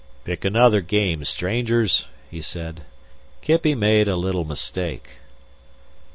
"Pick another game, strangers," he said. "Kippy made a little mistake."